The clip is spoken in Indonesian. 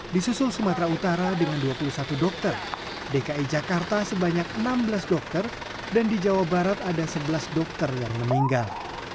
di susul sumatera utara dengan dua puluh satu dokter dki jakarta sebanyak enam belas dokter dan di jawa barat ada sebelas dokter yang meninggal